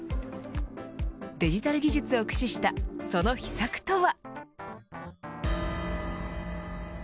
デジタル技術を駆使したその秘策とは。